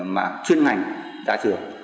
mà chuyên ngành ra trường